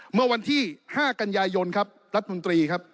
เมื่อวันที่๕กันยายนครับรัฐมนตรีครับ